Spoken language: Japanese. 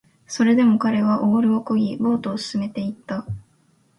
それでも彼はオールを漕ぎ、ボートを進めていった